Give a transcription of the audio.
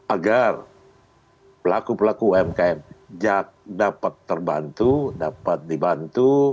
agar pelaku pelaku umkm dapat terbantu dapat dibantu